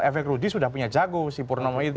efek rudy sudah punya jago si purnomo itu